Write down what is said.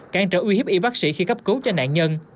cản trở uy hiếp y bác sĩ khi cấp cứu cho nạn nhân